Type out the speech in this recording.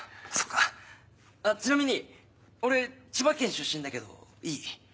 かあっちなみに俺千葉県出身だけどいい？